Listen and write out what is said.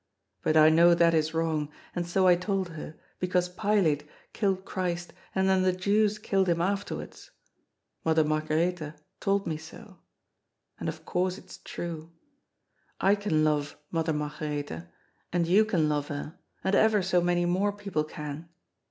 But I know that is wrong, and so I told her, because Pilate killed Christ, and then the Jews killed hipi afterwards. Mother Margaretha told me so. And of course it's true. I can love Mother Margaretha, and you can love her, and ever BO many more people can.